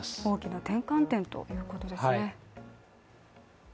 大きな転換点ということですね。